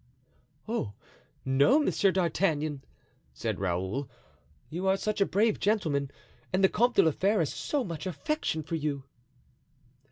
"Oh, no, Monsieur d'Artagnan," said Raoul, "you are such a brave gentleman and the Comte de la Fere has so much affection for you!"